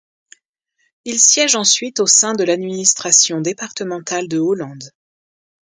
Il siège ensuite au sein de l'administration départementale de Hollande.